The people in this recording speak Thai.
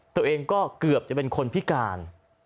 ตัวเองก็เกือบจะเป็นคนพิการ